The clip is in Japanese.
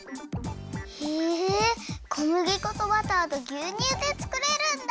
へえこむぎ粉とバターとぎゅうにゅうでつくれるんだ！